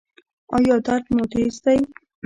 ایا درد مو تېز دی؟